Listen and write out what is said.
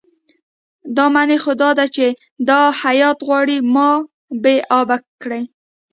دا معنی خو دا ده چې دا هیات غواړي ما بې آبه کړي.